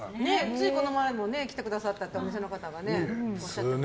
ついこの前も来てくださったってお店の方がおっしゃってましたね。